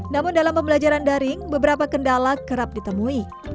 namun dalam pembelajaran daring beberapa kendala kerap ditemui